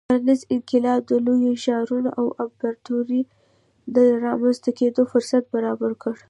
کرنیز انقلاب د لویو ښارونو او امپراتوریو د رامنځته کېدو فرصت برابر کړ.